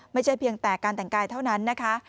เพียงแต่การแต่งกายเท่านั้นนะคะ